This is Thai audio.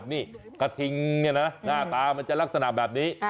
นี่กระทิงเนี่ยนะหน้าตามันจะลักษณะแบบนี้